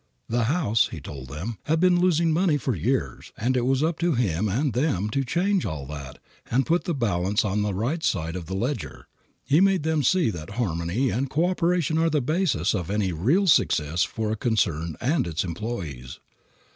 The house, he told them, had been losing money for years, and it was up to him and them to change all that and put the balance on the right side of the ledger. He made them see that harmony and coöperation are the basis of any real success for a concern and its employees.